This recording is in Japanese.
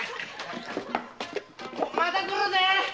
また来るぜ！